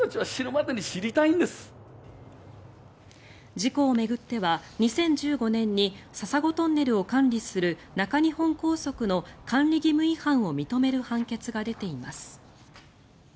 事故を巡っては２０１５年に笹子トンネルを管理する中日本高速の管理義務違反を認める判決が出ています。